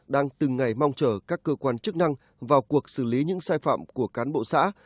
đang từng ngày mong chờ các cơ quan chức năng vào cuộc xử lý những sai phạm của cán bộ xã